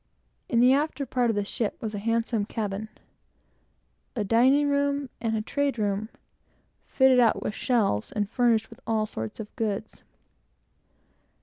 In the after part of the ship was a handsome cabin, a dining room, and a trade room, fitted out with shelves and furnished with all sorts of goods.